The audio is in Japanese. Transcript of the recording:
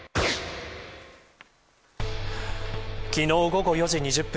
昨日午後４時２０分